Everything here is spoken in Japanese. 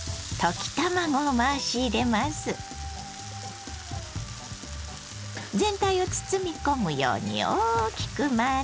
全体を包み込むように大きく混ぜます。